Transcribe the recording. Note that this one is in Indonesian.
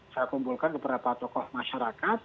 saya kumpulkan beberapa tokoh masyarakat